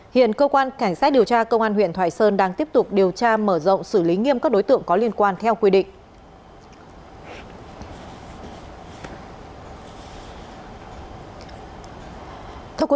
hiện cơ quan cảnh sát điều tra công an huyện thoại sơn đang tiếp tục điều tra mở rộng xử lý nghiêm các đối tượng có liên quan theo quy định